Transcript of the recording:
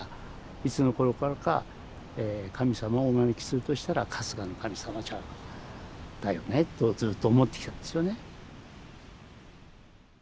いつの頃からか神様をお招きするとしたら春日の神様だよねとずっと思ってきたんですよね。